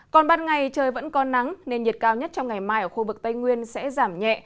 còn ban ngày trời vẫn có nắng nên nhiệt cao nhất trong ngày mai ở khu vực tây nguyên sẽ giảm nhẹ